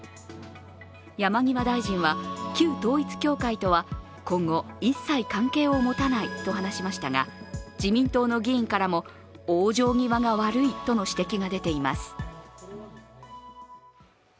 山際大臣は、旧統一教会とは今後一切関係を持たないと話しましたが自民党の議員からも、往生際が悪いとの指摘が出ています。